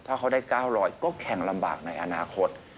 ถ้าเขาได้๙๐๐ก็แข่งลำบากในอนาคต